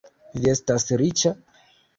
Vi estas riĉa?